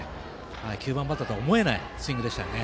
９番バッターとは思えないスイングでしたね。